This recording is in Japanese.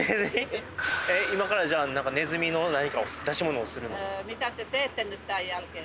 今からじゃあネズミの何か出し物をするの？